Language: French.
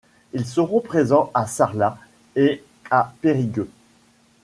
Ils seront présents à Sarlat et à Périgueux.